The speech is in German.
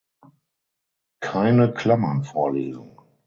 Keine Klammern vorlesen!